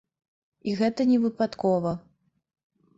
І гэта не выпадкова.